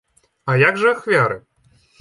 А як жа ахвяры?